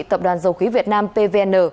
tập đoàn dầu khí việt nam pvn